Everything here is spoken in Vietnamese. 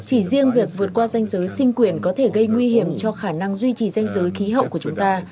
chỉ riêng việc vượt qua danh giới sinh quyền có thể gây nguy hiểm cho khả năng duy trì danh giới khí hậu của chúng ta